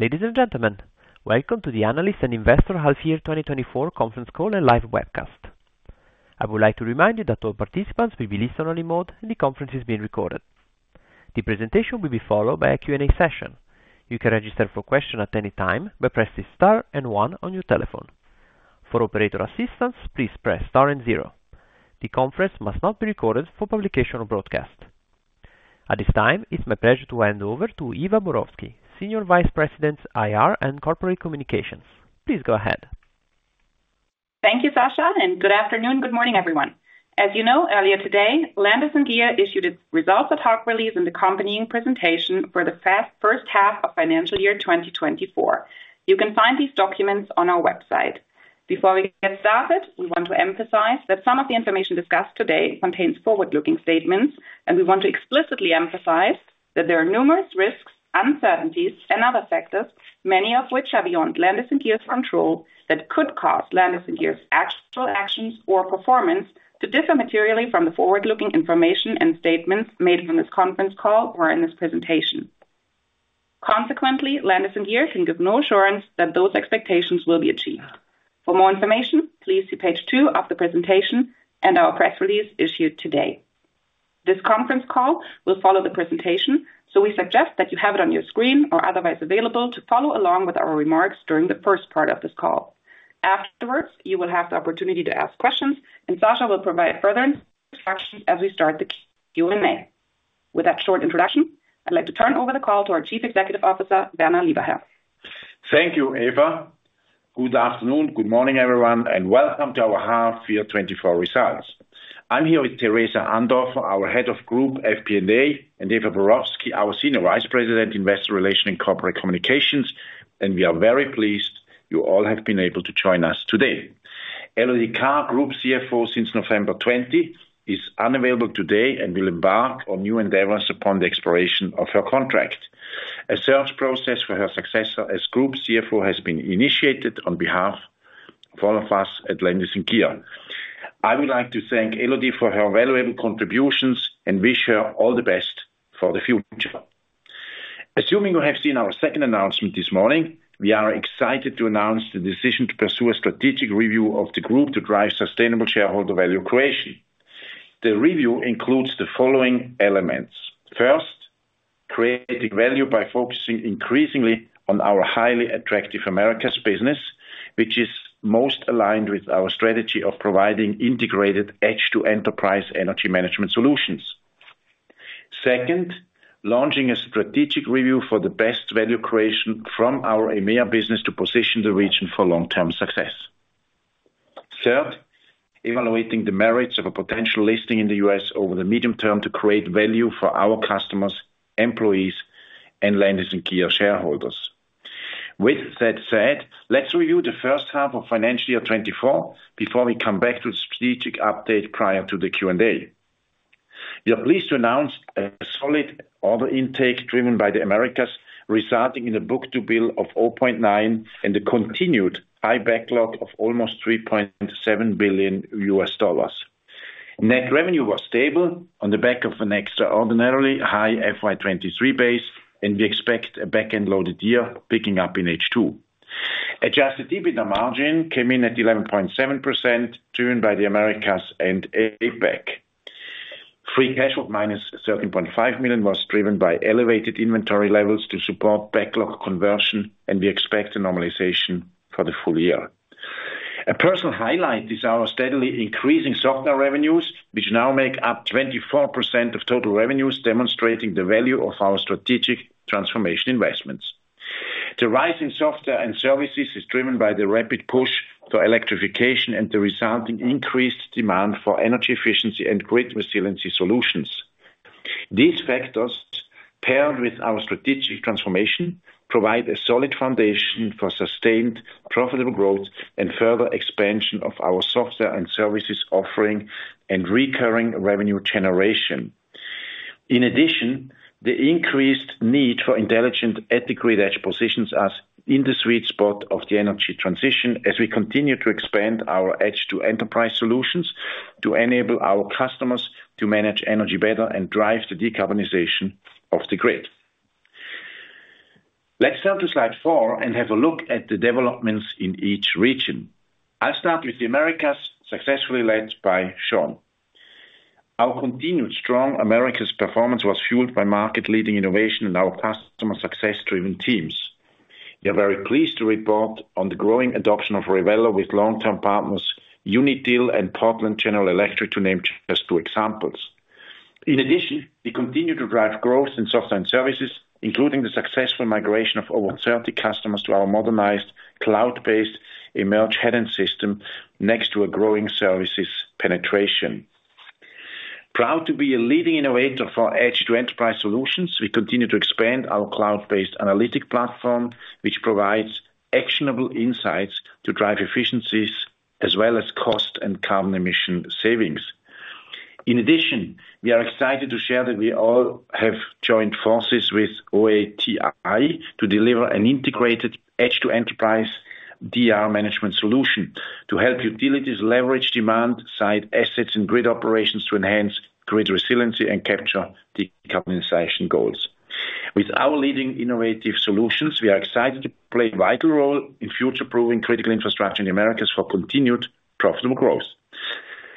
Ladies and gentlemen, welcome to the Analysts and Investors Half Year 2024 Conference Call and Live Webcast. I would like to remind you that all participants will be in listen-only mode, and the conference is being recorded. The presentation will be followed by a Q&A session. You can register for questions at any time by pressing Star and one on your telephone. For operator assistance, please press Star and zero. The conference must not be recorded for publication or broadcast. At this time, it's my pleasure to hand over to Eva Borowski, Senior Vice President, IR and Corporate Communications. Please go ahead. Thank you, Sasha, and good afternoon, good morning, everyone. As you know, earlier today, Landis+Gyr issued its results at H1 release and accompanying presentation for the first half of financial year 2024. You can find these documents on our website. Before we get started, we want to emphasize that some of the information discussed today contains forward-looking statements, and we want to explicitly emphasize that there are numerous risks, uncertainties, and other factors, many of which are beyond Landis+Gyr's control that could cause Landis+Gyr's actual actions or performance to differ materially from the forward-looking information and statements made from this conference call or in this presentation. Consequently, Landis+Gyr can give no assurance that those expectations will be achieved. For more information, please see page two of the presentation and our press release issued today. This conference call will follow the presentation, so we suggest that you have it on your screen or otherwise available to follow along with our remarks during the first part of this call. Afterwards, you will have the opportunity to ask questions, and Sasha will provide further instructions as we start the Q&A. With that short introduction, I'd like to turn over the call to our Chief Executive Officer, Werner Lieberherr. Thank you, Eva. Good afternoon, good morning, everyone, and welcome to our half year 2024 results. I'm here with Theresa Andorfer, our Head of Group FP&A, and Eva Borowski, our Senior Vice President, Investor Relations and Corporate Communications, and we are very pleased you all have been able to join us today. Elodie Carr, Group CFO since November 20, is unavailable today and will embark on new endeavors upon the expiration of her contract. A search process for her successor as Group CFO has been initiated on behalf of all of us at Landis+Gyr. I would like to thank Elodie for her valuable contributions and wish her all the best for the future. Assuming you have seen our second announcement this morning, we are excited to announce the decision to pursue a strategic review of the group to drive sustainable shareholder value creation. The review includes the following elements. First, creating value by focusing increasingly on our highly attractive Americas business, which is most aligned with our strategy of providing integrated edge-to-enterprise energy management solutions. Second, launching a strategic review for the best value creation from our EMEA business to position the region for long-term success. Third, evaluating the merits of a potential listing in the U.S. over the medium term to create value for our customers, employees, and Landis+Gyr shareholders. With that said, let's review the first half of financial year 2024 before we come back to the strategic update prior to the Q&A. We are pleased to announce a solid order intake driven by the Americas, resulting in a book-to-bill of 0.9 and a continued high backlog of almost $3.7 billion. Net revenue was stable on the back of an extraordinarily high FY23 base, and we expect a back-end loaded year picking up in H2. Adjusted EBITDA margin came in at 11.7%, driven by the Americas and APAC. Free cash flow minus 13.5 million was driven by elevated inventory levels to support backlog conversion, and we expect a normalization for the full year. A personal highlight is our steadily increasing software revenues, which now make up 24% of total revenues, demonstrating the value of our strategic transformation investments. The rise in software and services is driven by the rapid push for electrification and the resulting increased demand for energy efficiency and grid resiliency solutions. These factors, paired with our strategic transformation, provide a solid foundation for sustained profitable growth and further expansion of our software and services offering and recurring revenue generation. In addition, the increased need for intelligent energy grid edge positions us in the sweet spot of the energy transition as we continue to expand our edge-to-enterprise solutions to enable our customers to manage energy better and drive the decarbonization of the grid. Let's turn to slide four and have a look at the developments in each region. I'll start with the Americas, successfully led by Sean. Our continued strong Americas performance was fueled by market-leading innovation and our customer success-driven teams. We are very pleased to report on the growing adoption of Revelo with long-term partners Unitil and Portland General Electric, to name just two examples. In addition, we continue to drive growth in software and services, including the successful migration of over 30 customers to our modernized cloud-based Emerge head-end system next to a growing services penetration. Proud to be a leading innovator for edge-to-enterprise solutions, we continue to expand our cloud-based analytic platform, which provides actionable insights to drive efficiencies as well as cost and carbon emission savings. In addition, we are excited to share that we all have joined forces with OATI to deliver an integrated edge-to-enterprise DR management solution to help utilities leverage demand-side assets in grid operations to enhance grid resiliency and capture decarbonization goals. With our leading innovative solutions, we are excited to play a vital role in future-proofing critical infrastructure in the Americas for continued profitable growth.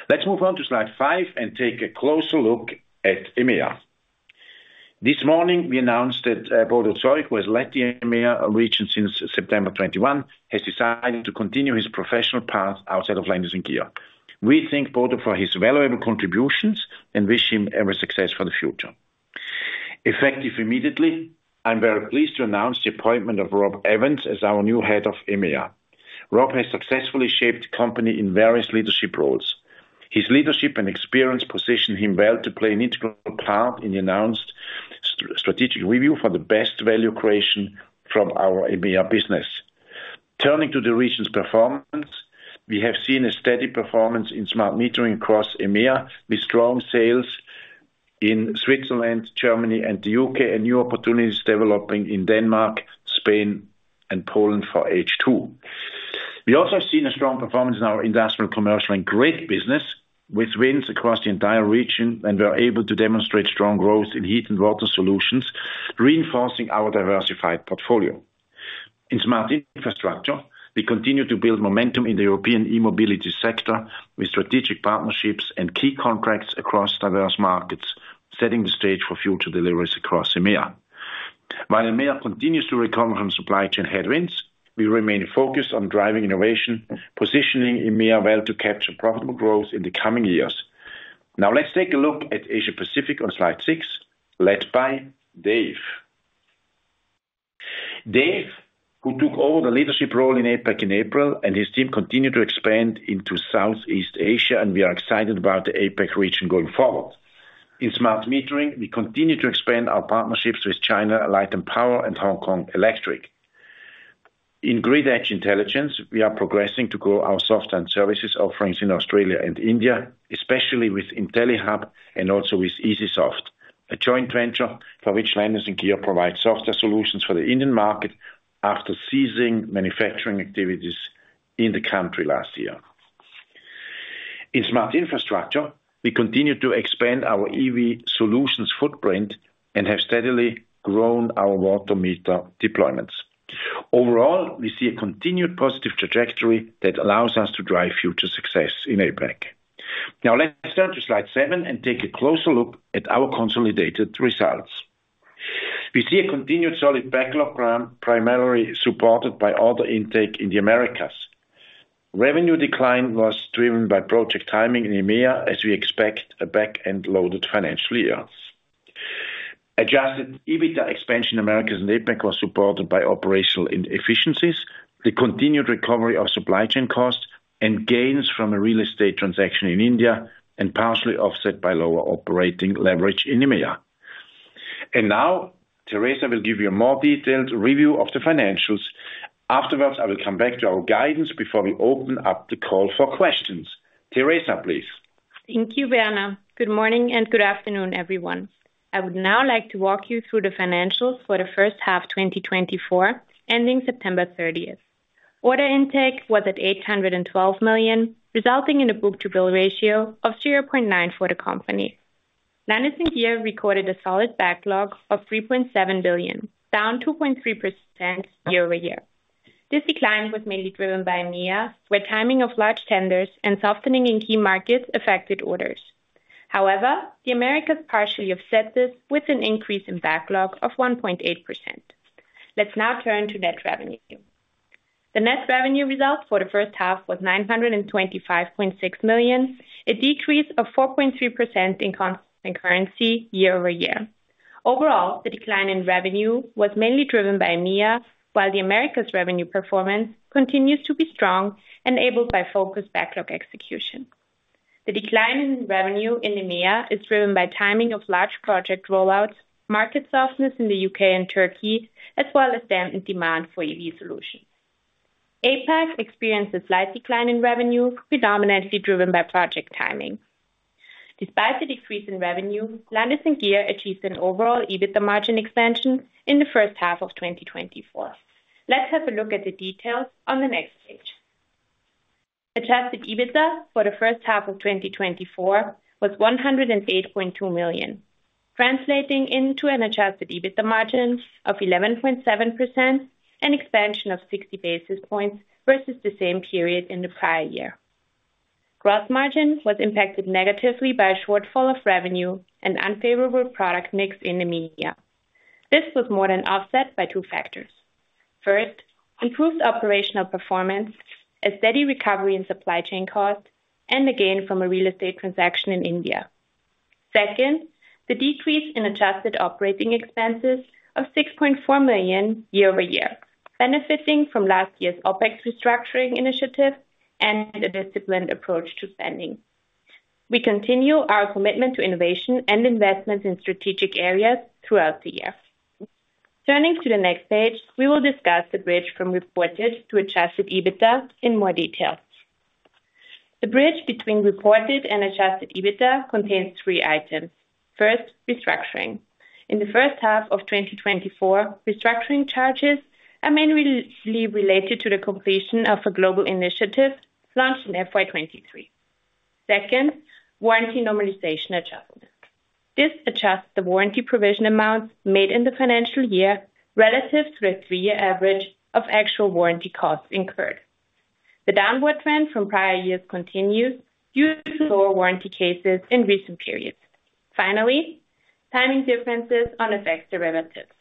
Let's move on to slide five and take a closer look at EMEA. This morning, we announced that Bodo Zeug, who has led the EMEA region since September 21, has decided to continue his professional path outside of Landis+Gyr. We thank Bodo for his valuable contributions and wish him every success for the future. Effective immediately, I'm very pleased to announce the appointment of Rob Evans as our new Head of EMEA. Rob has successfully shaped the company in various leadership roles. His leadership and experience position him well to play an integral part in the announced strategic review for the best value creation from our EMEA business. Turning to the region's performance, we have seen a steady performance in smart metering across EMEA with strong sales in Switzerland, Germany, and the U.K., and new opportunities developing in Denmark, Spain, and Poland for H2. We also have seen a strong performance in our industrial, commercial, and grid business with wins across the entire region, and we are able to demonstrate strong growth in heat and water solutions, reinforcing our diversified portfolio. In smart infrastructure, we continue to build momentum in the European e-mobility sector with strategic partnerships and key contracts across diverse markets, setting the stage for future deliveries across EMEA. While EMEA continues to recover from supply chain headwinds, we remain focused on driving innovation, positioning EMEA well to capture profitable growth in the coming years. Now, let's take a look at Asia-Pacific on slide six, led by Dave. Dave, who took over the leadership role in APAC in April, and his team continue to expand into Southeast Asia, and we are excited about the APAC region going forward. In smart metering, we continue to expand our partnerships with China Light & Power and Hong Kong Electric. In grid edge intelligence, we are progressing to grow our software and services offerings in Australia and India, especially with Intellihub and also with Esyasoft, a joint venture for which Landis+Gyr provides software solutions for the Indian market after ceasing manufacturing activities in the country last year. In smart infrastructure, we continue to expand our EV solutions footprint and have steadily grown our water meter deployments. Overall, we see a continued positive trajectory that allows us to drive future success in APAC. Now, let's turn to slide seven and take a closer look at our consolidated results. We see a continued solid backlog, primarily supported by order intake in the Americas. Revenue decline was driven by project timing in EMEA, as we expect a back-end loaded financial year. Adjusted EBITDA expansion in Americas and APAC was supported by operational efficiencies, the continued recovery of supply chain costs, and gains from a real estate transaction in India, and partially offset by lower operating leverage in EMEA. And now, Theresa will give you a more detailed review of the financials. Afterwards, I will come back to our guidance before we open up the call for questions. Theresa, please. Thank you, Werner. Good morning and good afternoon, everyone. I would now like to walk you through the financials for the first half of 2024, ending September 30th. Order intake was at 812 million, resulting in a book-to-bill ratio of 0.9 for the company. Landis+Gyr recorded a solid backlog of 3.7 billion, down 2.3% year-over-year. This decline was mainly driven by EMEA, where timing of large tenders and softening in key markets affected orders. However, the Americas partially offset this with an increase in backlog of 1.8%. Let's now turn to net revenue. The net revenue result for the first half was 925.6 million, a decrease of 4.3% in constant currency year-over-year. Overall, the decline in revenue was mainly driven by EMEA, while the Americas revenue performance continues to be strong, enabled by focused backlog execution. The decline in revenue in EMEA is driven by timing of large project rollouts, market softness in the U.K. and Turkey, as well as demand for EV solutions. APAC experienced a slight decline in revenue, predominantly driven by project timing. Despite the decrease in revenue, Landis+Gyr achieved an overall EBITDA margin expansion in the first half of 2024. Let's have a look at the details on the next page. Adjusted EBITDA for the first half of 2024 was 108.2 million, translating into an adjusted EBITDA margin of 11.7% and expansion of 60 basis points versus the same period in the prior year. Gross margin was impacted negatively by a shortfall of revenue and unfavorable product mix in EMEA. This was more than offset by two factors. First, improved operational performance, a steady recovery in supply chain costs, and the gain from a real estate transaction in India. Second, the decrease in adjusted operating expenses of 6.4 million year-over-year, benefiting from last year's OPEX restructuring initiative and a disciplined approach to spending. We continue our commitment to innovation and investments in strategic areas throughout the year. Turning to the next page, we will discuss the bridge from reported to adjusted EBITDA in more detail. The bridge between reported and adjusted EBITDA contains three items. First, restructuring. In the first half of 2024, restructuring charges are mainly related to the completion of a global initiative launched in FY 2023. Second, warranty normalization adjustment. This adjusts the warranty provision amounts made in the financial year relative to the three-year average of actual warranty costs incurred. The downward trend from prior years continues due to lower warranty cases in recent periods. Finally, timing differences on FX derivatives.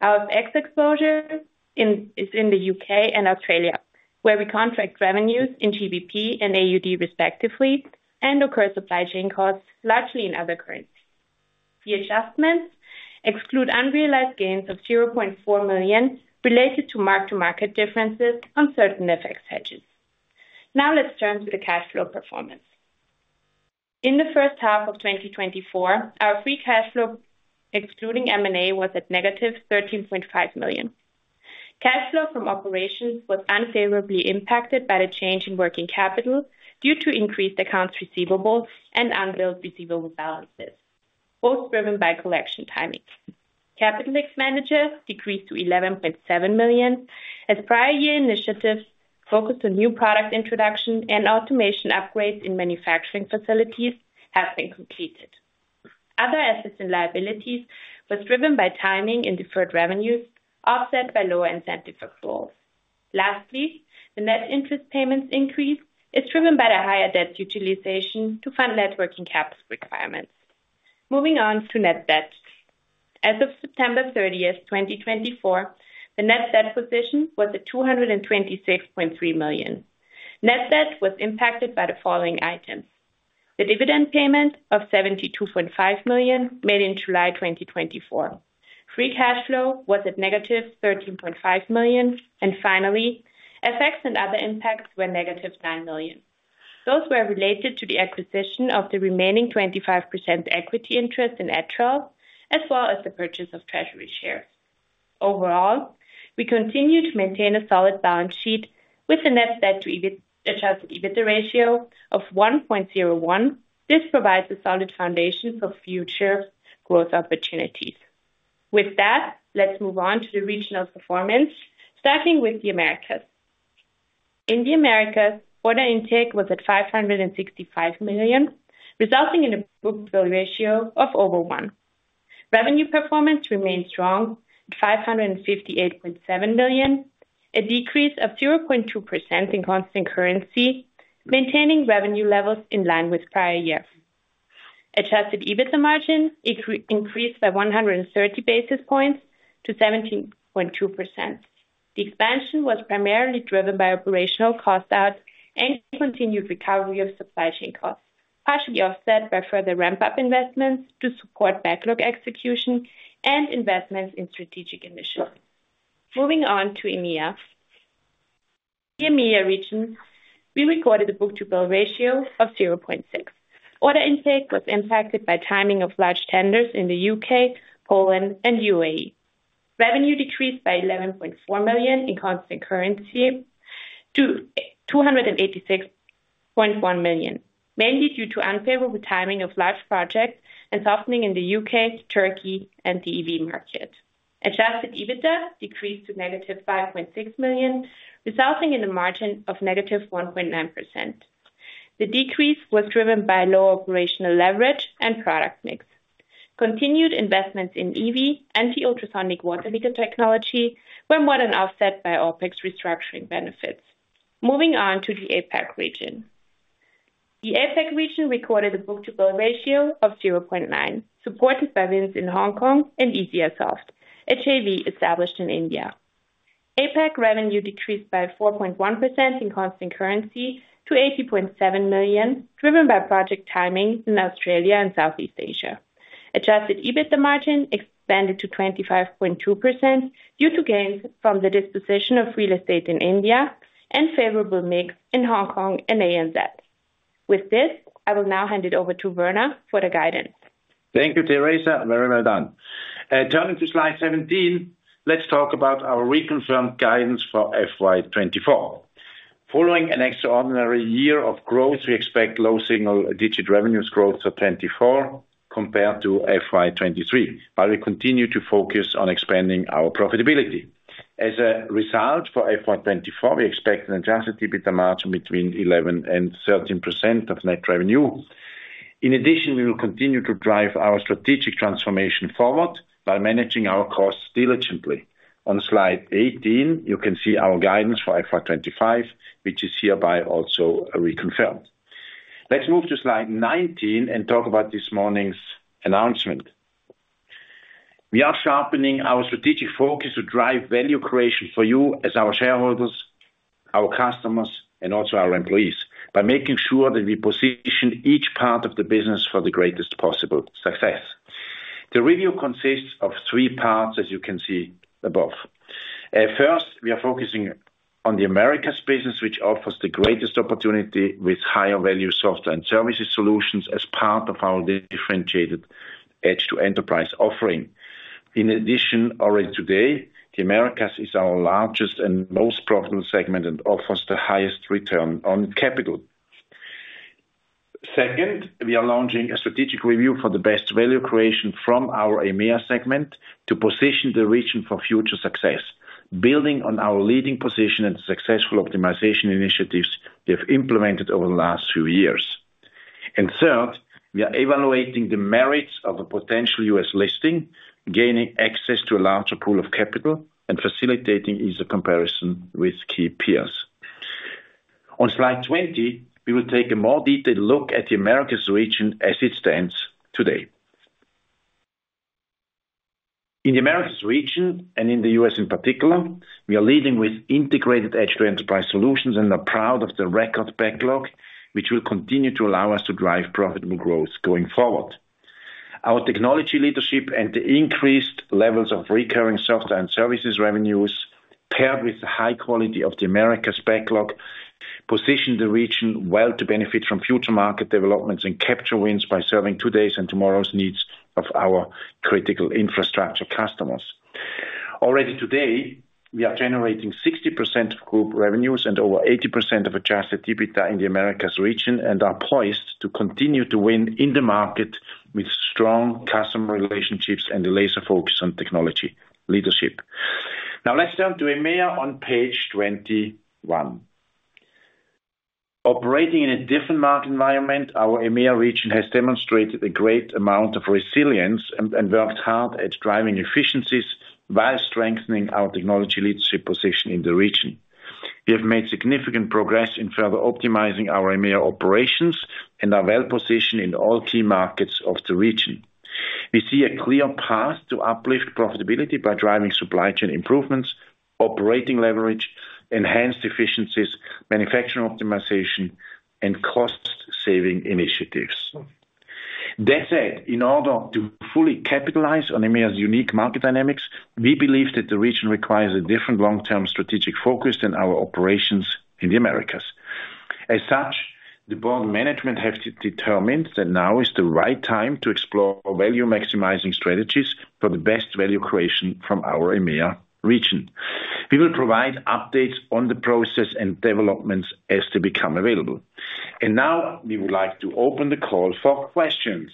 Our FX exposure is in the U.K. and Australia, where we contract revenues in GBP and AUD respectively and incur supply chain costs largely in other currencies. The adjustments exclude unrealized gains of 0.4 million related to mark-to-market differences on certain FX hedges. Now, let's turn to the cash flow performance. In the first half of 2024, our free cash flow, excluding M&A, was at -13.5 million. Cash flow from operations was unfavorably impacted by the change in working capital due to increased accounts receivable and unbilled receivable balances, both driven by collection timing. Capital expenditure decreased to 11.7 million as prior year initiatives focused on new product introduction and automation upgrades in manufacturing facilities have been completed. Other assets and liabilities were driven by timing in deferred revenues, offset by lower incentive for goals. Lastly, the net interest payments increase is driven by the higher debt utilization to fund net working capital requirements. Moving on to net debt. As of September 30, 2024, the net debt position was at CHF 226.3 million. Net debt was impacted by the following items: the dividend payment of 72.5 million made in July 2024. Free cash flow was at negative 13.5 million. And finally, FX and other impacts were negative 9 million. Those were related to the acquisition of the remaining 25% equity interest in Etrel, as well as the purchase of treasury shares. Overall, we continue to maintain a solid balance sheet with a net debt to Adjusted EBITDA ratio of 1.01. This provides a solid foundation for future growth opportunities. With that, let's move on to the regional performance, starting with the Americas. In the Americas, order intake was at 565 million, resulting in a book-to-bill ratio of over one. Revenue performance remained strong at 558.7 million, a decrease of 0.2% in constant currency, maintaining revenue levels in line with prior years. Adjusted EBITDA margin increased by 130 basis points to 17.2%. The expansion was primarily driven by operational costs out and continued recovery of supply chain costs, partially offset by further ramp-up investments to support backlog execution and investments in strategic initiatives. Moving on to EMEA. In the EMEA region, we recorded a book-to-bill ratio of 0.6. Order intake was impacted by timing of large tenders in the U.K., Poland, and U.A.E.. Revenue decreased by 11.4 million in constant currency to 286.1 million, mainly due to unfavorable timing of large projects and softening in the U.K., Turkey, and the EV market. Adjusted EBITDA decreased to -5.6 million, resulting in a margin of -1.9%. The decrease was driven by low operational leverage and product mix. Continued investments in EV and the ultrasonic water meter technology were more than offset by OPEX restructuring benefits. Moving on to the APAC region. The APAC region recorded a book-to-bill ratio of 0.9, supported by wins in Hong Kong and Esyasoft, have established in India. APAC revenue decreased by 4.1% in constant currency to 80.7 million, driven by project timing in Australia and Southeast Asia. Adjusted EBITDA margin expanded to 25.2% due to gains from the disposition of real estate in India and favorable mix in Hong Kong and ANZ. With this, I will now hand it over to Werner for the guidance. Thank you, Theresa. Very well done. Turning to slide 17, let's talk about our reconfirmed guidance for FY24. Following an extraordinary year of growth, we expect low single-digit revenues growth for 2024 compared to FY23, while we continue to focus on expanding our profitability. As a result, for FY24, we expect an Adjusted EBITDA margin between 11% and 13% of net revenue. In addition, we will continue to drive our strategic transformation forward by managing our costs diligently. On slide 18, you can see our guidance for FY25, which is hereby also reconfirmed. Let's move to slide 19 and talk about this morning's announcement. We are sharpening our strategic focus to drive value creation for you as our shareholders, our customers, and also our employees by making sure that we position each part of the business for the greatest possible success. The review consists of three parts, as you can see above. First, we are focusing on the Americas business, which offers the greatest opportunity with higher-value software and services solutions as part of our differentiated edge-to-enterprise offering. In addition, already today, the Americas is our largest and most profitable segment and offers the highest return on capital. Second, we are launching a strategic review for the best value creation from our EMEA segment to position the region for future success, building on our leading position and successful optimization initiatives we have implemented over the last few years. And third, we are evaluating the merits of a potential U.S. listing, gaining access to a larger pool of capital and facilitating easier comparison with key peers. On slide 20, we will take a more detailed look at the Americas region as it stands today. In the Americas region, and in the U.S. in particular, we are leading with integrated edge-to-enterprise solutions and are proud of the record backlog, which will continue to allow us to drive profitable growth going forward. Our technology leadership and the increased levels of recurring software and services revenues, paired with the high quality of the Americas backlog, position the region well to benefit from future market developments and capture wins by serving today's and tomorrow's needs of our critical infrastructure customers. Already today, we are generating 60% of group revenues and over 80% of adjusted EBITDA in the Americas region and are poised to continue to win in the market with strong customer relationships and a laser focus on technology leadership. Now, let's turn to EMEA on page 21. Operating in a different market environment, our EMEA region has demonstrated a great amount of resilience and worked hard at driving efficiencies while strengthening our technology leadership position in the region. We have made significant progress in further optimizing our EMEA operations and are well positioned in all key markets of the region. We see a clear path to uplift profitability by driving supply chain improvements, operating leverage, enhanced efficiencies, manufacturing optimization, and cost-saving initiatives. That said, in order to fully capitalize on EMEA's unique market dynamics, we believe that the region requires a different long-term strategic focus than our operations in the Americas. As such, the board management has determined that now is the right time to explore value maximizing strategies for the best value creation from our EMEA region. We will provide updates on the process and developments as they become available. Now, we would like to open the call for questions.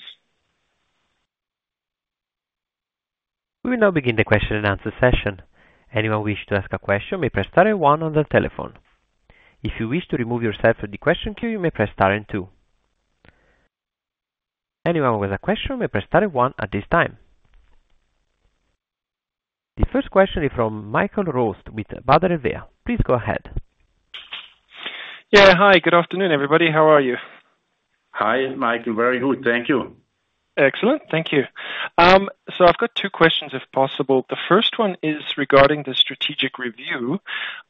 We will now begin the question and answer session. Anyone wishes to ask a question may press star and one on the telephone. If you wish to remove yourself from the question queue, you may press star and two. Anyone with a question may press star and one at this time. The first question is from Michael Roost with Baader Helvea. Please go ahead. Yeah, hi. Good afternoon, everybody. How are you? Hi, Michael. Very good. Thank you. Excellent. Thank you. So I've got two questions, if possible. The first one is regarding the strategic review.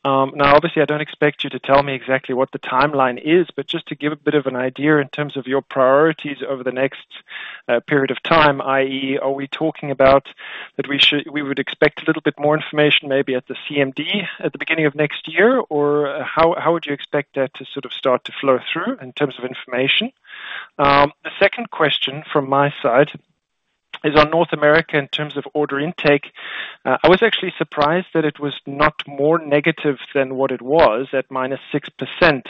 Now, obviously, I don't expect you to tell me exactly what the timeline is, but just to give a bit of an idea in terms of your priorities over the next period of time, i.e., are we talking about that we would expect a little bit more information maybe at the CMD at the beginning of next year, or how would you expect that to sort of start to flow through in terms of information? The second question from my side is on North America in terms of order intake. I was actually surprised that it was not more negative than what it was at -6%.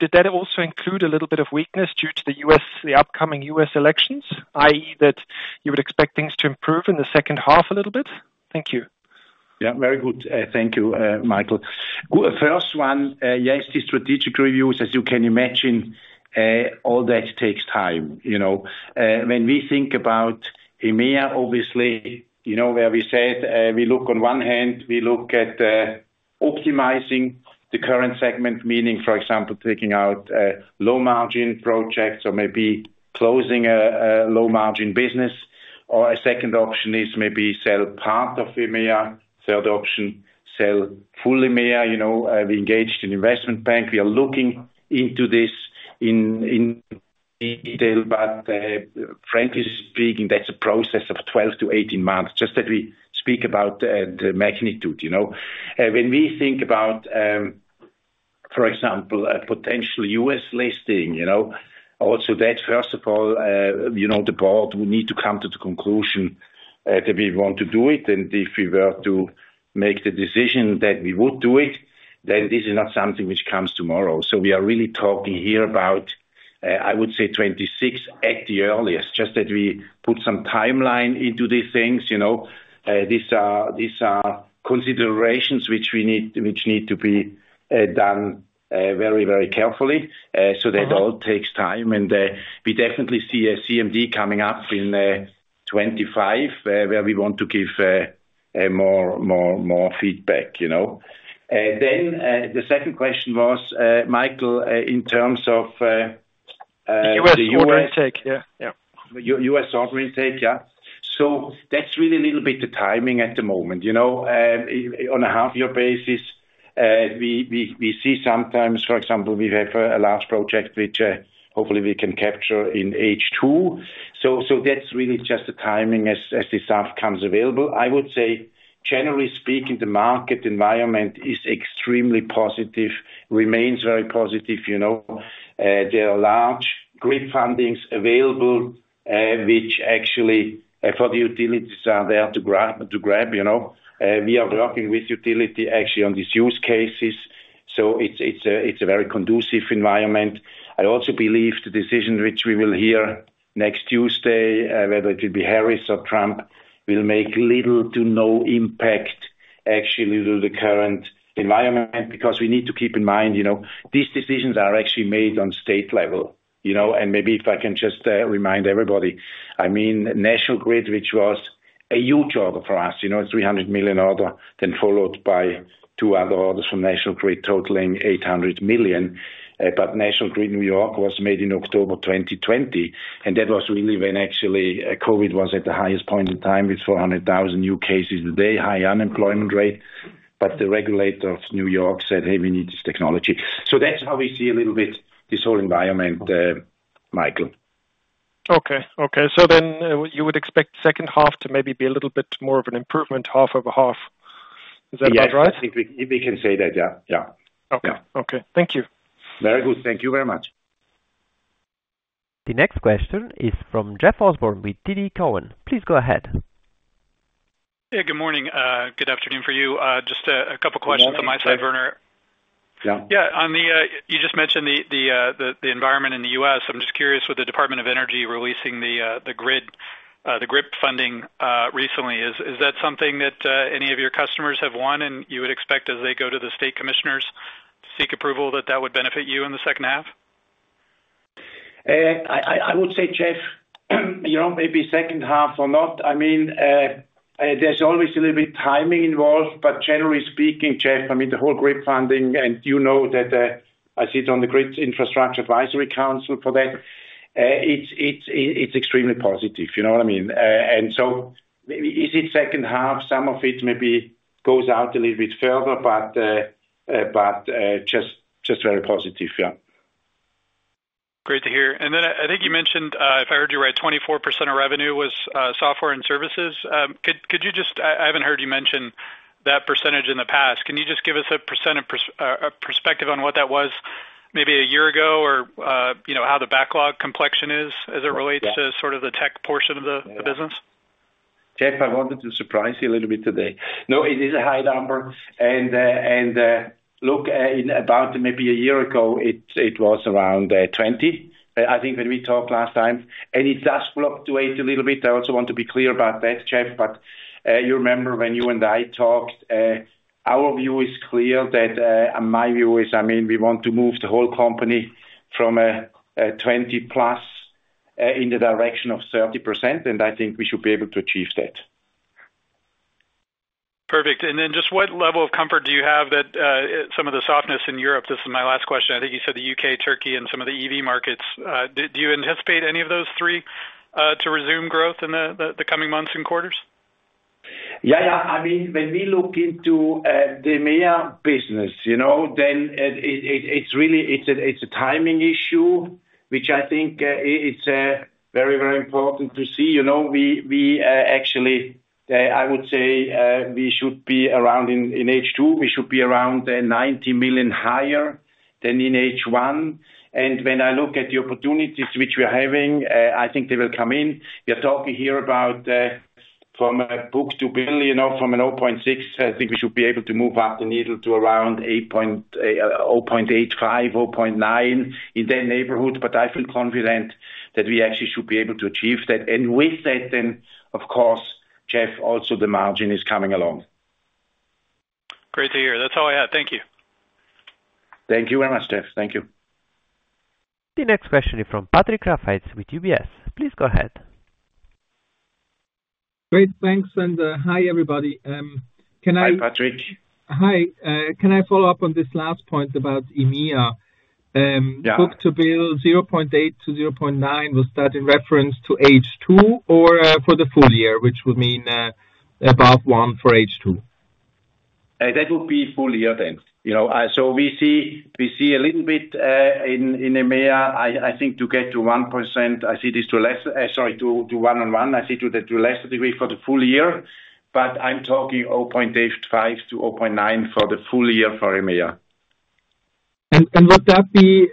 Did that also include a little bit of weakness due to the upcoming U.S. elections, i.e., that you would expect things to improve in the second half a little bit? Thank you. Yeah, very good. Thank you, Michael. The first one, yes, the strategic reviews, as you can imagine, all that takes time. When we think about EMEA, obviously, you know where we said we look on one hand, we look at optimizing the current segment, meaning, for example, taking out low-margin projects or maybe closing a low-margin business. Or a second option is maybe sell part of EMEA. Third option, sell full EMEA. We engaged an investment bank. We are looking into this in detail, but frankly speaking, that's a process of 12 month-18 months, just that we speak about the magnitude. When we think about, for example, a potential U.S. listing, also that, first of all, the board will need to come to the conclusion that we want to do it. And if we were to make the decision that we would do it, then this is not something which comes tomorrow. So we are really talking here about, I would say, 2026 at the earliest, just that we put some timeline into these things. These are considerations which need to be done very, very carefully so that all takes time. And we definitely see a CMD coming up in 2025 where we want to give more feedback. Then the second question was, Michael, in terms of the U.S. order intake. U.S. order intake, yeah. U.S. order intake, yeah. So that's really a little bit the timing at the moment. On a half-year basis, we see sometimes, for example, we have a large project which hopefully we can capture in H2. So that's really just the timing as the stuff comes available. I would say, generally speaking, the market environment is extremely positive, remains very positive. There are large grid fundings available, which actually for the utilities are there to grab. We are working with utility actually on these use cases. So it's a very conducive environment. I also believe the decision which we will hear next Tuesday, whether it will be Harris or Trump, will make little to no impact actually to the current environment because we need to keep in mind these decisions are actually made on state level. And maybe if I can just remind everybody, I mean, National Grid, which was a huge order for us, a $300 million order, then followed by two other orders from National Grid totaling $800 million. But National Grid New York was made in October 2020. And that was really when actually COVID was at the highest point in time with 400,000 new cases a day, high unemployment rate. But the regulator of New York said, "Hey, we need this technology." So that's how we see a little bit this whole environment, Michael. Okay. Okay. So then you would expect the second half to maybe be a little bit more of an improvement, half of a half. Is that right? Yes, if we can say that, yeah. Yeah. Okay. Okay. Thank you. Very good. Thank you very much. The next question is from Jeff Osborne with TD Cowen. Please go ahead. Yeah, good morning. Good afternoon for you. Just a couple of questions on my side, Werner. Yeah. Yeah. You just mentioned the environment in the U.S. I'm just curious, with the Department of Energy releasing the grid funding recently, is that something that any of your customers have won and you would expect as they go to the state commissioners to seek approval that that would benefit you in the second half? I would say, Jeff, maybe second half or not. I mean, there's always a little bit of timing involved, but generally speaking, Jeff, I mean, the whole grid funding, and you know that I sit on the Grids Infrastructure Advisory Council for that. It's extremely positive, you know what I mean, and so is it second half. Some of it maybe goes out a little bit further, but just very positive, yeah. Great to hear. And then I think you mentioned, if I heard you right, 24% of revenue was software and services. Could you just—I haven't heard you mention that percentage in the past. Can you just give us a bit of perspective on what that was maybe a year ago or how the backlog complexion is as it relates to sort of the tech portion of the business? Jeff, I wanted to surprise you a little bit today. No, it is a high number, and look, about maybe a year ago, it was around 20, I think, when we talked last time. And it does fluctuate a little bit. I also want to be clear about that, Jeff, but you remember when you and I talked, our view is clear that, my view is, I mean, we want to move the whole company from 20% plus in the direction of 30%. And I think we should be able to achieve that. Perfect. And then just what level of comfort do you have that some of the softness in Europe (this is my last question). I think you said the U.K., Turkey, and some of the EV markets. Do you anticipate any of those three to resume growth in the coming months and quarters? Yeah, yeah. I mean, when we look into the EMEA business, then it's a timing issue, which I think it's very, very important to see. We actually, I would say, we should be around in H2, we should be around 90 million higher than in H1. And when I look at the opportunities which we are having, I think they will come in. We are talking here about from a book-to-bill, from a 0.6, I think we should be able to move up the needle to around 0.85, 0.9 in that neighborhood. But I feel confident that we actually should be able to achieve that. And with that, then, of course, Jeff, also the margin is coming along. Great to hear. That's all I had. Thank you. Thank you very much, Jeff. Thank you. The next question is from Patrick Rafaisz with UBS. Please go ahead. Great. Thanks and hi, everybody. Can I? Hi, Patrick. Hi. Can I follow up on this last point about EMEA? Book-to-bill 0.8-0.9, was that in reference to H2 or for the full year, which would mean above one for H2? That would be full year then. So we see a little bit in EMEA, I think, to get to 1%. I see this to less, sorry, to 1 on 1. I see to a lesser degree for the full year. But I'm talking 0.85%-0.9% for the full year for EMEA. Would that be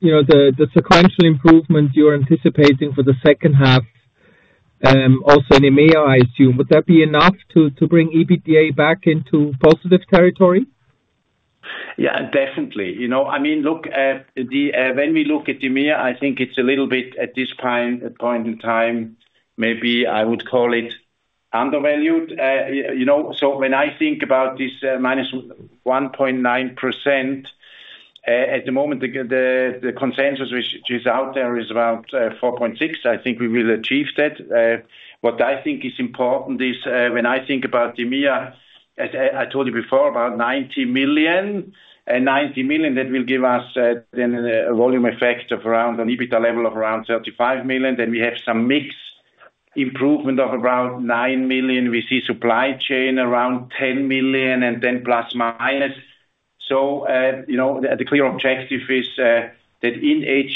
the sequential improvement you're anticipating for the second half also in EMEA, I assume? Would that be enough to bring EBITDA back into positive territory? Yeah, definitely. I mean, look, when we look at EMEA, I think it's a little bit at this point in time, maybe I would call it undervalued, so when I think about this -1.9%, at the moment, the consensus which is out there is about 4.6%. I think we will achieve that. What I think is important is, when I think about EMEA, as I told you before, about 90 million, and 90 million, that will give us then a volume effect of around an EBITDA level of around 35 million, then we have some mixed improvement of about 9 million. We see supply chain around 10 million and then plus minus. So the clear objective is that in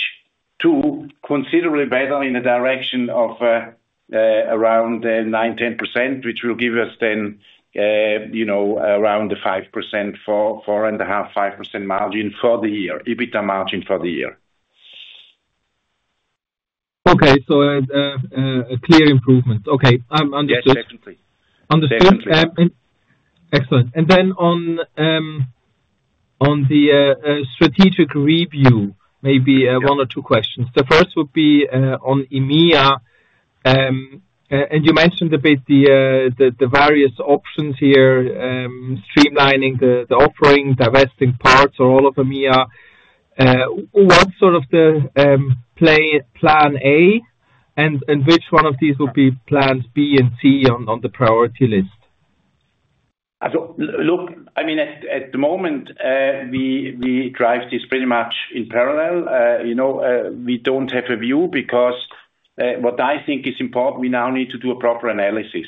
H2, considerably better in the direction of around 9%-10%, which will give us then around the 4.5%-5% margin for the year, EBITDA margin for the year. Okay. So, a clear improvement. Okay. I'm understood. Yes, definitely. Understood. Excellent. And then on the strategic review, maybe one or two questions. The first would be on EMEA. And you mentioned a bit the various options here, streamlining the offering, divesting parts or all of EMEA. What's sort of the plan A? And which one of these would be plans B and C on the priority list? Look, I mean, at the moment, we drive this pretty much in parallel. We don't have a view because what I think is important, we now need to do a proper analysis.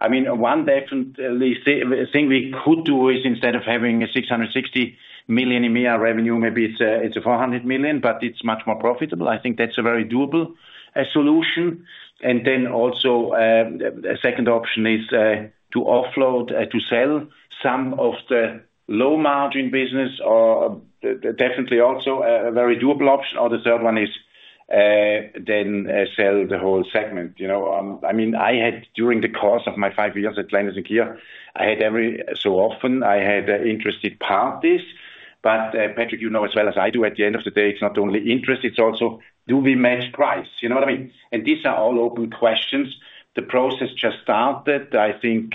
I mean, one definitely thing we could do is instead of having a $660 million EMEA revenue, maybe it's a $400 million, but it's much more profitable. I think that's a very doable solution. And then also the second option is to offload, to sell some of the low-margin business, definitely also a very doable option. Or the third one is then sell the whole segment. I mean, I had, during the course of my five years at Landis+Gyr, I had every so often, I had interested parties. But Patrick, you know as well as I do, at the end of the day, it's not only interest, it's also do we match price? You know what I mean? And these are all open questions. The process just started, I think,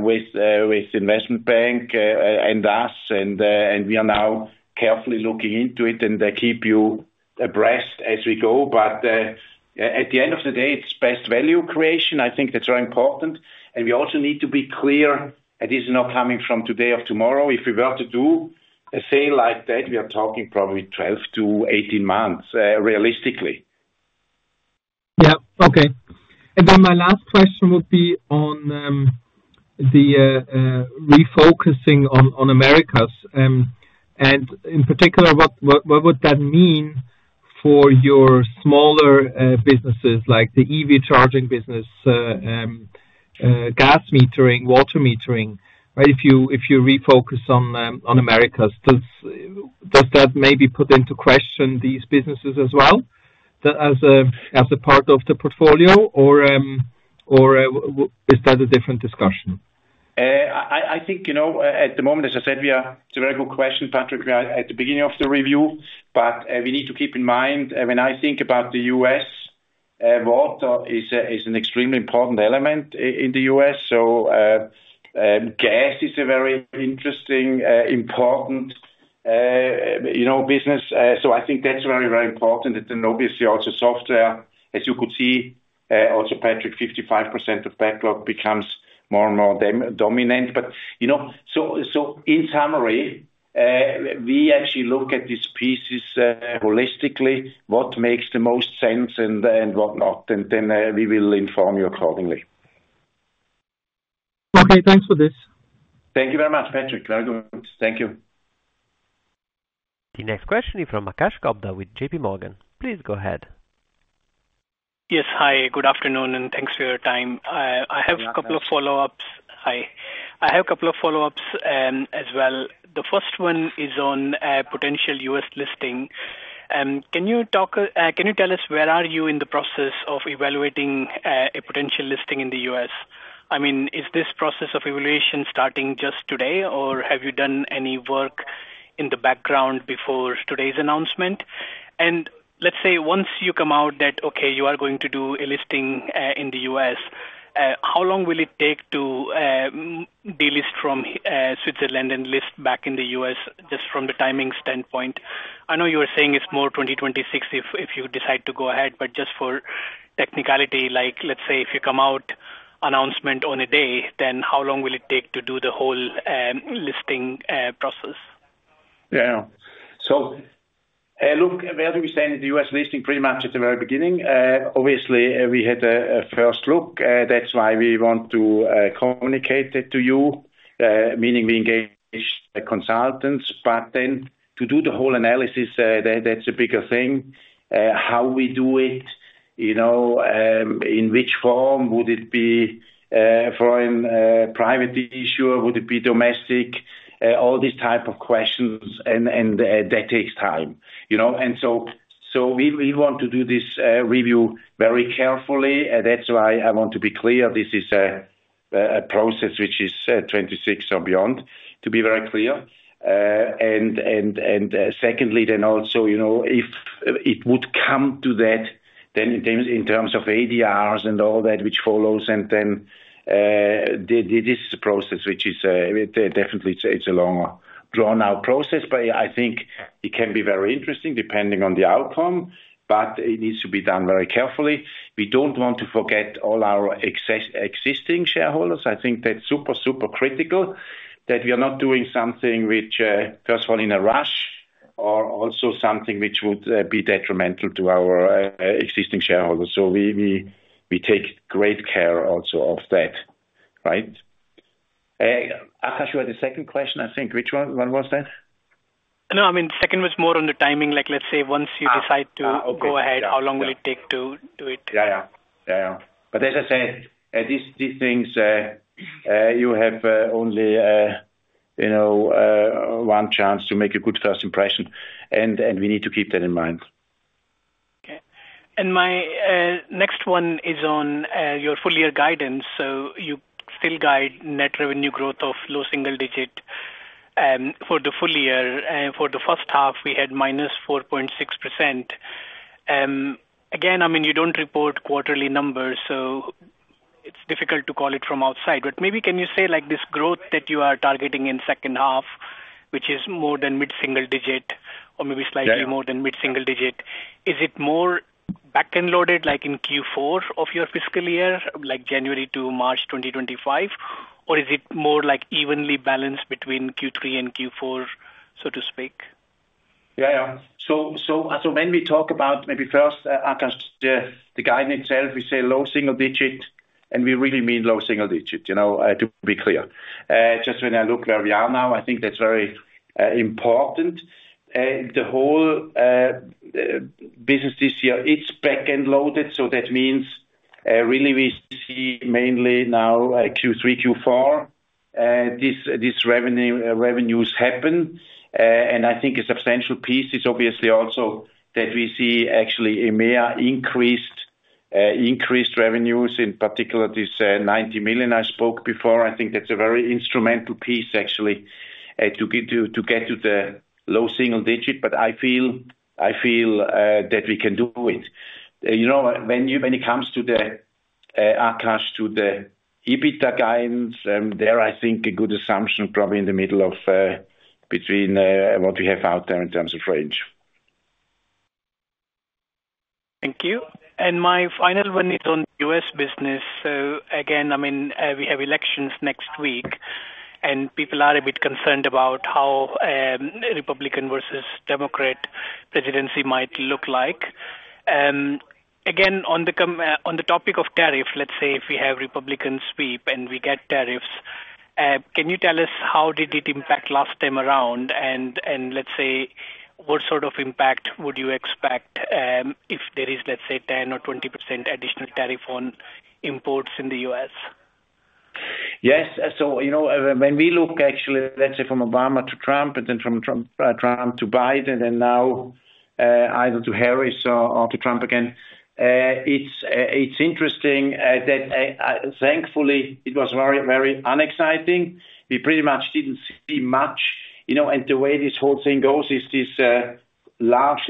with Investment Bank and us. And we are now carefully looking into it and keep you abreast as we go. But at the end of the day, it's best value creation. I think that's very important. And we also need to be clear that this is not coming from today or tomorrow. If we were to do a sale like that, we are talking probably 12 month-18 months realistically. Yeah. Okay. And then my last question would be on the refocusing on Americas. And in particular, what would that mean for your smaller businesses like the EV charging business, gas metering, water metering, right? If you refocus on Americas, does that maybe put into question these businesses as well as a part of the portfolio, or is that a different discussion? I think at the moment, as I said, it's a very good question, Patrick, at the beginning of the review, but we need to keep in mind, when I think about the U.S., water is an extremely important element in the U.S., so gas is a very interesting, important business, so I think that's very, very important, and then obviously also software, as you could see, also Patrick, 55% of backlog becomes more and more dominant, but so in summary, we actually look at these pieces holistically, what makes the most sense and whatnot, and then we will inform you accordingly. Okay. Thanks for this. Thank you very much, Patrick. Very good. Thank you. The next question is from Akash Gupta with JPMorgan. Please go ahead. Yes. Hi. Good afternoon. And thanks for your time. I have a couple of follow-ups. I have a couple of follow-ups as well. The first one is on potential U.S. listing. Can you tell us where are you in the process of evaluating a potential listing in the U.S.? I mean, is this process of evaluation starting just today, or have you done any work in the background before today's announcement? And let's say once you come out that, okay, you are going to do a listing in the U.S., how long will it take to delist from Switzerland and list back in the U.S. just from the timing standpoint? I know you were saying it's more 2026 if you decide to go ahead. But just for technicality, let's say if you come out announcement on a day, then how long will it take to do the whole listing process? Yeah. So look, where we stand in the U.S. listing pretty much at the very beginning, obviously. We had a first look. That's why we want to communicate it to you, meaning we engage consultants. But then to do the whole analysis, that's a bigger thing. How we do it, in which form would it be for a private issue? Would it be domestic? All these type of questions. And that takes time. And so we want to do this review very carefully. That's why I want to be clear. This is a process which is 2026 or beyond, to be very clear. And secondly, then also if it would come to that, then in terms of ADRs and all that which follows, and then this is a process which is definitely it's a long drawn-out process. But I think it can be very interesting depending on the outcome. But it needs to be done very carefully. We don't want to forget all our existing shareholders. I think that's super, super critical that we are not doing something which, first of all, in a rush, or also something which would be detrimental to our existing shareholders. So we take great care also of that, right? Akash, you had a second question, I think. Which one was that? No, I mean, the second was more on the timing. Let's say once you decide to go ahead, how long will it take to do it? Yeah. Yeah. But as I said, these things, you have only one chance to make a good first impression. And we need to keep that in mind. Okay. And my next one is on your full-year guidance. So you still guide net revenue growth of low single digit for the full year. For the first half, we had -4.6%. Again, I mean, you don't report quarterly numbers, so it's difficult to call it from outside. But maybe can you say this growth that you are targeting in second half, which is more than mid-single digit or maybe slightly more than mid-single digit, is it more back-end loaded like in Q4 of your fiscal year, like January to March 2025? Or is it more evenly balanced between Q3 and Q4, so to speak? Yeah, yeah. So when we talk about maybe first, Akash, the guidance itself, we say low single digit, and we really mean low single digit, to be clear. Just when I look where we are now, I think that's very important. The whole business this year, it's back-end loaded. So that means really we see mainly now Q3, Q4. These revenues happen. And I think a substantial piece is obviously also that we see actually EMEA increased revenues, in particular this 90 million I spoke before. I think that's a very instrumental piece, actually, to get to the low single digit. But I feel that we can do it. When it comes to, Akash, the EBITDA guidance, there I think a good assumption probably in the middle of between what we have out there in terms of range. Thank you. And my final one is on U.S. business. So again, I mean, we have elections next week, and people are a bit concerned about how Republican versus Democrat presidency might look like. Again, on the topic of tariffs, let's say if we have Republican sweep and we get tariffs, can you tell us how did it impact last time around? And let's say what sort of impact would you expect if there is, let's say, 10% or 20% additional tariff on imports in the U.S.? Yes. So when we look actually, let's say from Obama to Trump, and then from Trump to Biden, and now either to Harris or to Trump again, it's interesting that thankfully it was very, very unexciting. We pretty much didn't see much. And the way this whole thing goes is this large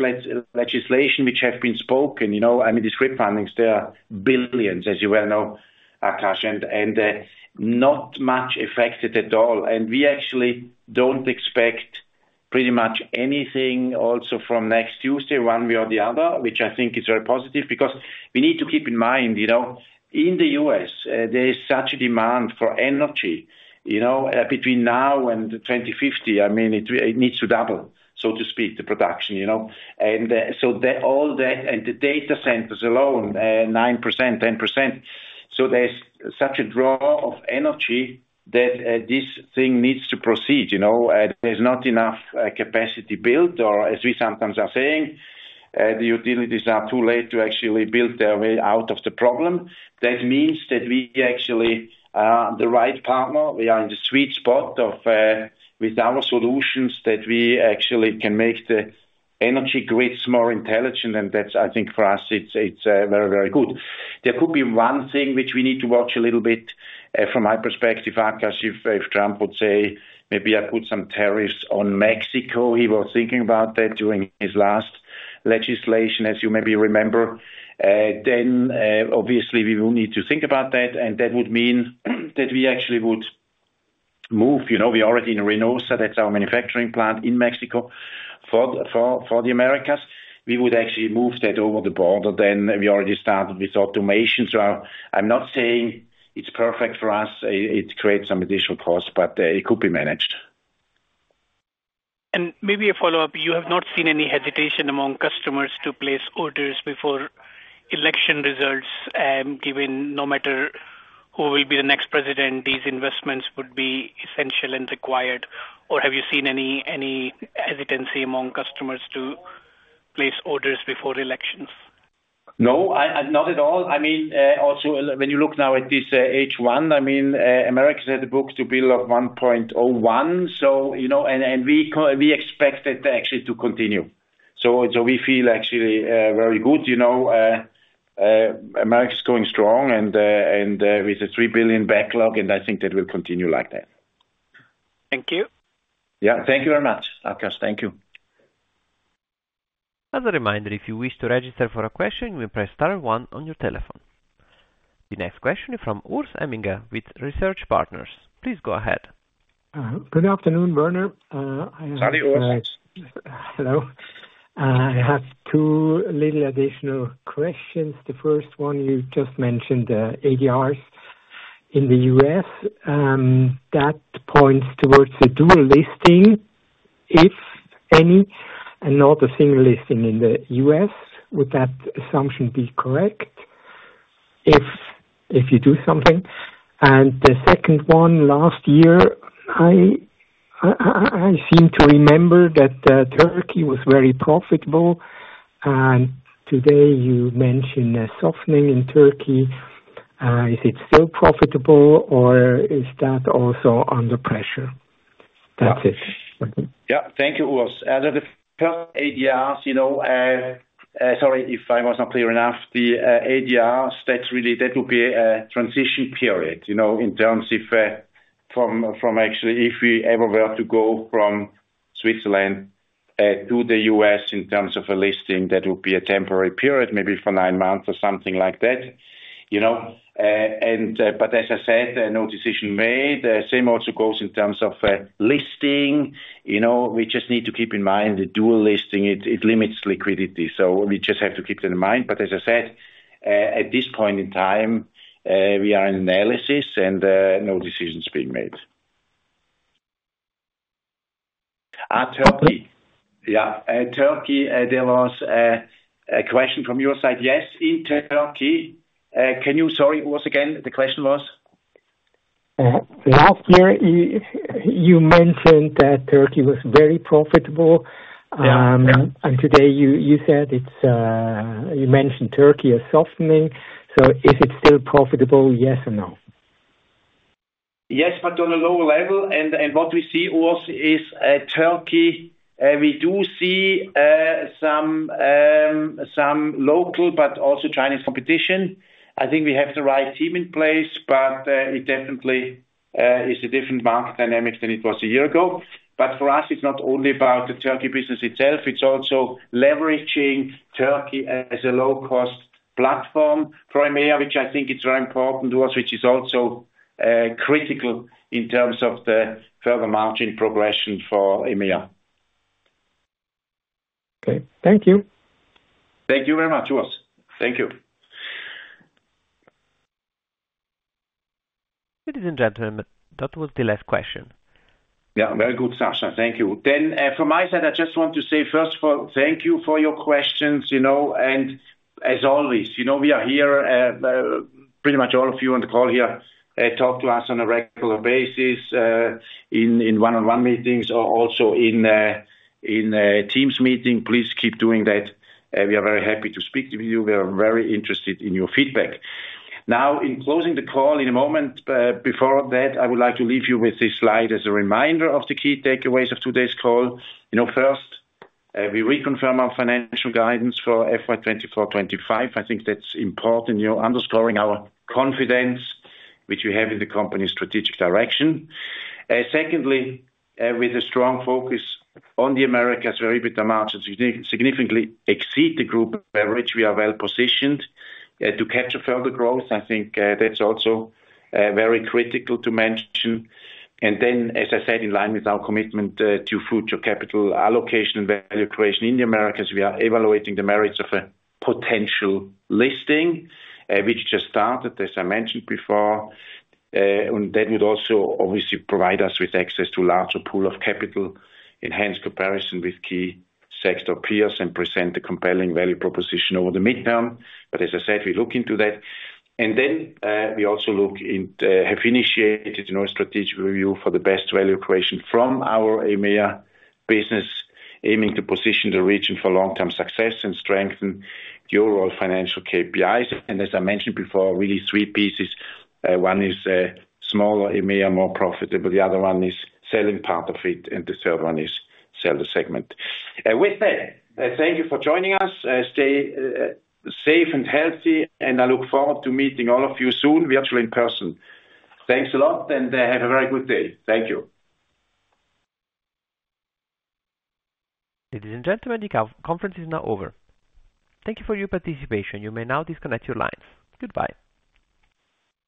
legislation which has been spoken. I mean, these grid fundings, they are billions, as you well know, Akash, and not much affected at all. And we actually don't expect pretty much anything also from next Tuesday, one way or the other, which I think is very positive because we need to keep in mind in the U.S., there is such a demand for energy between now and 2050. I mean, it needs to double, so to speak, the production. And so all that and the data centers alone, 9%, 10%. So there's such a draw of energy that this thing needs to proceed. There's not enough capacity built, or as we sometimes are saying, the utilities are too late to actually build their way out of the problem. That means that we actually are the right partner. We are in the sweet spot with our solutions that we actually can make the energy grids more intelligent. And that's, I think, for us, it's very, very good. There could be one thing which we need to watch a little bit from my perspective, Akash, if Trump would say maybe I put some tariffs on Mexico. He was thinking about that during his last legislation, as you maybe remember. Then obviously we will need to think about that. And that would mean that we actually would move. We are already in Reynosa. That's our manufacturing plant in Mexico for the Americas. We would actually move that over the border. Then we already started with automation. So I'm not saying it's perfect for us. It creates some additional costs, but it could be managed. Maybe a follow-up. You have not seen any hesitation among customers to place orders before election results, given no matter who will be the next president, these investments would be essential and required. Or have you seen any hesitancy among customers to place orders before elections? No, not at all. I mean, also when you look now at this H1, I mean, Americas is at the book-to-bill of 1.01. And we expect that actually to continue. So we feel actually very good. Americas is going strong and with a $3 billion backlog. And I think that will continue like that. Thank you. Yeah. Thank you very much, Akash. Thank you. As a reminder, if you wish to register for a question, you may press star one on your telephone. The next question is from Urs Emminger with Research Partners. Please go ahead. Good afternoon, Werner. Salut, Urs. Hello. I have two little additional questions. The first one, you just mentioned the ADRs in the U.S. That points towards a dual listing, if any, and not a single listing in the U.S. Would that assumption be correct if you do something? And the second one, last year, I seem to remember that Turkey was very profitable. And today you mentioned a softening in Turkey. Is it still profitable, or is that also under pressure? That's it. Yeah. Thank you, Urs. As of the first ADRs, sorry if I was not clear enough, the ADRs, that would be a transition period in terms of from actually if we ever were to go from Switzerland to the U.S. in terms of a listing, that would be a temporary period, maybe for nine months or something like that. But as I said, no decision made. Same also goes in terms of listing. We just need to keep in mind the dual listing. It limits liquidity. So we just have to keep that in mind. But as I said, at this point in time, we are in analysis and no decisions being made. At Turkey. Yeah. At Turkey, there was a question from your side. Yes, in Turkey. Can you, sorry, Urs again? The question was? Last year, you mentioned that Turkey was very profitable. And today you said you mentioned Turkey a softening. So is it still profitable? Yes or no? Yes, but on a lower level and what we see, Urs, is Turkey. We do see some local but also Chinese competition. I think we have the right team in place, but it definitely is a different market dynamic than it was a year ago, but for us, it's not only about the Turkey business itself. It's also leveraging Turkey as a low-cost platform for EMEA, which I think is very important, Urs, which is also critical in terms of the further margin progression for EMEA. Okay. Thank you. Thank you very much, Urs. Thank you. Ladies and gentlemen, that was the last question. Yeah. Very good, Sasha. Thank you. Then from my side, I just want to say first of all, thank you for your questions, and as always, we are here. Pretty much all of you on the call here talk to us on a regular basis in one-on-one meetings or also in Teams meeting. Please keep doing that. We are very happy to speak with you. We are very interested in your feedback. Now, in closing the call in a moment, before that, I would like to leave you with this slide as a reminder of the key takeaways of today's call. First, we reconfirm our financial guidance for FY24/25. I think that's important, underscoring our confidence which we have in the company's strategic direction. Secondly, with a strong focus on the Americas, very big margins significantly exceed the group by which we are well positioned to catch a further growth. I think that's also very critical to mention, and then, as I said, in line with our commitment to future capital allocation and value creation in the Americas, we are evaluating the merits of a potential listing, which just started, as I mentioned before, and that would also obviously provide us with access to a larger pool of capital, enhanced comparison with key sector peers, and present a compelling value proposition over the midterm. But as I said, we look into that, and then we also have initiated a strategic review for the best value creation from our EMEA business, aiming to position the region for long-term success and strengthen our overall financial KPIs, and as I mentioned before, really three pieces. One is smaller EMEA, more profitable. The other one is selling part of it. And the third one is sell the segment. With that, thank you for joining us. Stay safe and healthy. And I look forward to meeting all of you soon, virtually in person. Thanks a lot. And have a very good day. Thank you. Ladies and gentlemen, the conference is now over. Thank you for your participation. You may now disconnect your lines. Goodbye.